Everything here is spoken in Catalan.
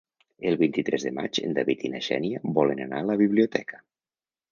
El vint-i-tres de maig en David i na Xènia volen anar a la biblioteca.